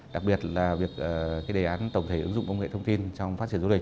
đặc biệt là việc đề án tổng thể ứng dụng